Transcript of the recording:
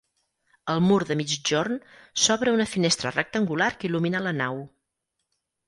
Al mur de migjorn s'obra una finestra rectangular que il·lumina la nau.